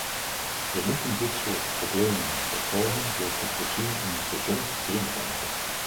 We moeten dit soort problemen voorkomen door te voorzien in gezond drinkwater.